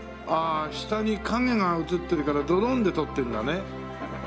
下に影が映ってるからドローンで撮ってるんだね。